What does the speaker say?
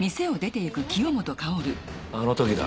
あの時だ